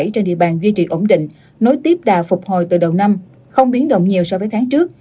trên địa bàn duy trì ổn định nối tiếp đà phục hồi từ đầu năm không biến động nhiều so với tháng trước